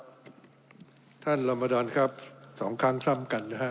แล้วท่านล้ำมะดอดครับ๒ครั้งซ้ำกันนะฮะ